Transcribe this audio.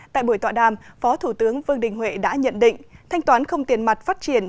tại buổi tọa đàm phó thủ tướng vương đình huệ đã nhận định thanh toán không tiền mặt phát triển